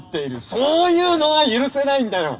そーゆーのは許せないんだよッ！